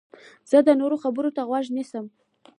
زه د نورو خبرو ته غوږ نیسم.